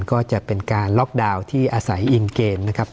ก็จะเป็นการล็อกดาวน์ที่อาศัยอิงเกณฑ์นะครับ